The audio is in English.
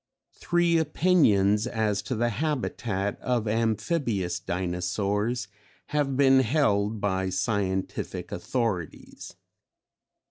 Three opinions as to the habitat of Amphibious Dinosaurs have been held by scientific authorities.